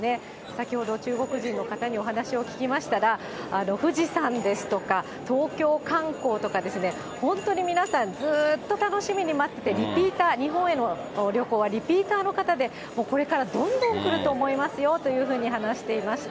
先ほど、中国人の方にお話を聞きましたら、富士山ですとか、東京観光とかですね、本当に皆さん、ずーっと楽しみに待ってて、リピーター、日本への旅行はリピーターの方で、これからどんどん来ると思いますよというふうに話していました。